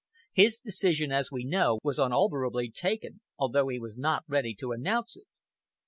His decision, as we know, was unalterably taken, although he was not yet ready to announce it.